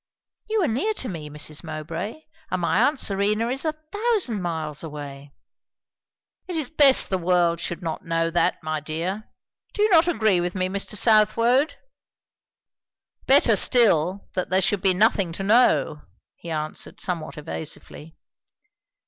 You are near to me, Mrs. Mowbray, and my aunt Serena is a thousand miles away." "It is best the world should not know that, my dear. Do you not agree with me, Mr. Southwode?" "Better still, that there should be nothing to know," he answered somewhat evasively.